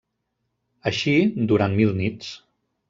Així, durant mil nits.